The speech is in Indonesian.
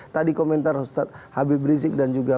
tadi komentar ustadz habib rizik dan juga